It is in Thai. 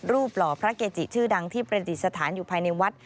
หล่อพระเกจิชื่อดังที่ประดิษฐานอยู่ภายในวัด